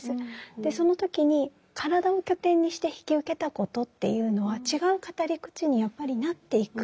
でその時に体を拠点にして引き受けたことっていうのは違う語り口にやっぱりなっていくんですね。